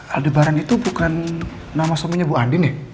aldebaran itu bukan nama suaminya bu andi nih